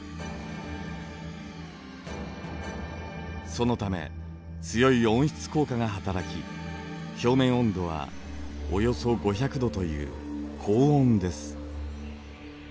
そのため強い温室効果が働き表面温度はおよそ５００度という高温です。